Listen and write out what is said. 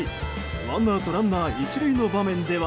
ワンアウトランナー１塁の場面では。